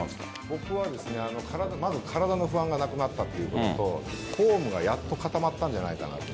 僕は、まず体の不安がなくなったということとフォームがやっと固まったんじゃないかなと。